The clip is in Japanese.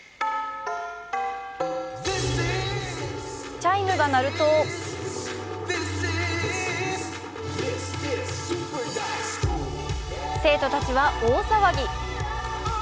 チャイムが鳴ると生徒たちは大騒ぎ。